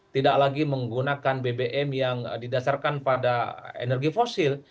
tidak lagi menggunakan bbm yang didasarkan pada energi fosil